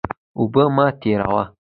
اوبه مه تویوه.